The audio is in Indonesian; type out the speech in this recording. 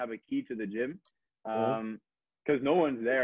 apakah aku bisa punya kunci ke gym